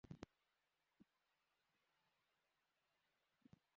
রায়পুর থানার পুলিশ জানায়, জিল্লুর রহমান পূবালী ব্যাংকের রায়পুর শাখার একজন কর্মকর্তা।